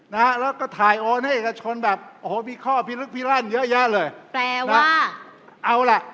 แล้วก็ถ่ายโอนให้เอกชนแบบโอ้โหมีข้อพิลึกพิรั่นเยอะแยะเลย